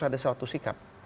ada suatu sikap